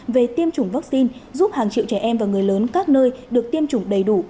về tiêm chủng vaccine giúp hàng triệu trẻ em và người lớn các nơi được tiêm chủng đầy đủ